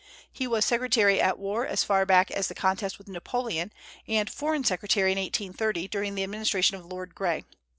He was secretary at war as far back as the contest with Napoleon, and foreign secretary in 1830 during the administration of Lord Grey.